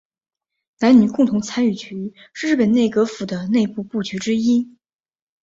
男女共同参与局是日本内阁府的内部部局之一。